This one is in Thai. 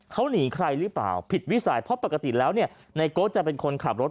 เขาหนีใครหรือเปล่าผิดวิสัยเพราะปกติแล้วเนี่ยในโก๊สจะเป็นคนขับรถ